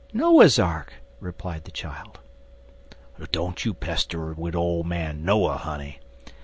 "Noah's ark," replied the child. "Don't you pester wid ole man Noah, honey.